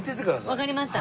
わかりました。